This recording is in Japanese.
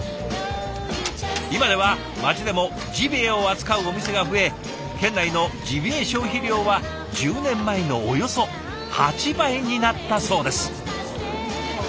今では町でもジビエを扱うお店が増え県内のジビエ消費量は１０年前のおよそ８倍になったそうです。